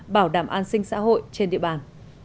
bảo đảm an sinh xã hội trên địa bàn